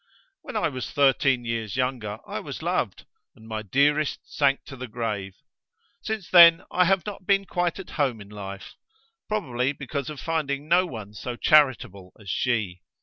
When I was thirteen years younger I was loved, and my dearest sank to the grave. Since then I have not been quite at home in life; probably because of finding no one so charitable as she.